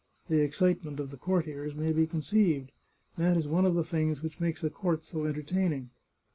The excitement of the courtiers may be conceived ; that is one of the things which makes a court so entertain ing.